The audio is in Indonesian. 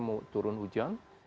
mau turun hujan